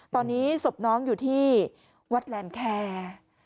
ตอนนี้ศพน้องอยู่ที่วัดแหลมแคร์